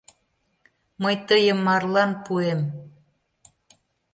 Мый тыйым марлан пуэм!